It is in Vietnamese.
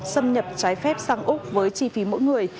xâm nhập trái phép sang úc với chi phí mỗi người